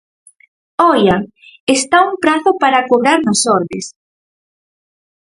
¡Oia!, está un prazo para cobrar nas ordes.